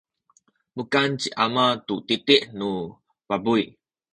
mukan ci ama tu titi nu pabuy.